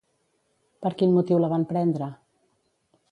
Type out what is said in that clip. Per quin motiu la van prendre?